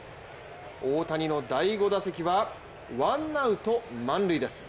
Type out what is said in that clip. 大谷の第５打席はワンアウト、満塁です。